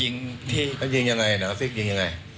ยิงที่ยิงยังไงหนังสติ๊กยิงยังไง